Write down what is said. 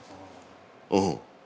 うん。